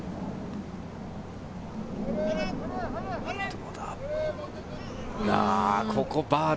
どうだ？